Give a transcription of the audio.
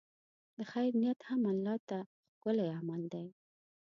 د خیر نیت هم الله ته ښکلی عمل دی.